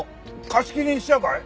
貸し切りにしちゃうかい？